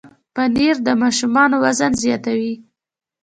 پنېر د ماشومانو وزن زیاتوي.